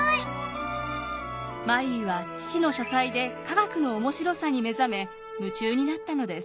マリーは父の書斎で科学の面白さに目覚め夢中になったのです。